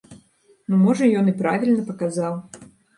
Ну, можа, ён і правільна паказаў.